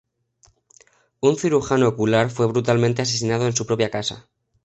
Un cirujano ocular fue brutalmente asesinado en su propia casa.